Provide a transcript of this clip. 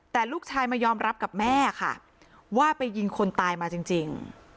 แต่ลูกชายมายอมรับกับแม่ค่ะว่าไปยิงคนตายมาจริง